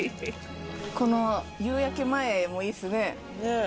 この夕焼け前もいいっすねねえ